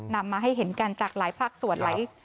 นำมาให้เห็นกันจากหลายภาคส่วนหลาย